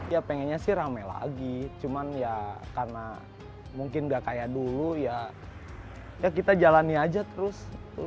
ya pengennya sih rame lagi cuman ya karena mungkin nggak kayak dulu ya kita jalani aja terus